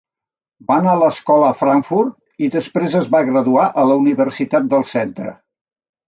Va anar a l'escola a Frankfurt, i després es va graduar a la universitat del centre.